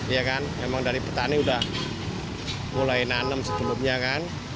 iya kan memang dari petani udah mulai nanem sebelumnya kan